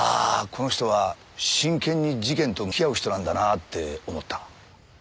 この人は真剣に事件と向き合う人なんだなって思った。